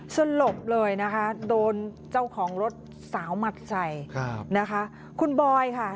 สลบเลยนะคะโดนเจ้าของรถสาวหมัดใส่นะคะคุณบอยค่ะ